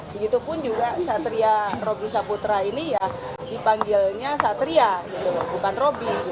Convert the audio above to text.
begitupun juga satria robi saputra ini ya dipanggilnya satria bukan robi